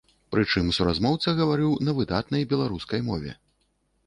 Прычым суразмоўца гаварыў на выдатнай беларускай мове.